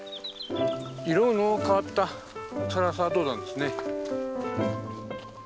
色の変わったサラサドウダンですね。